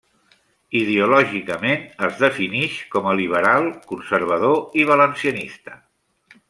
Ideològicament, es definix com a liberal, conservador i valencianista.